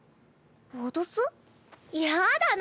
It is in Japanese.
脅す？やだな